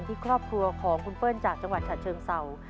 ที่ครอบครัวของคุณเปิ้ลจากจังหวัดฉะเชิงเศร้า